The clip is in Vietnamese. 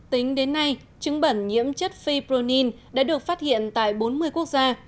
tính đến nay trứng bẩn nhiễm chất fibronin đã được phát hiện tại bốn mươi quốc gia